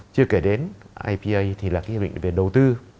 chưa kể đến ipa thì là cái hiệp định về đầu tư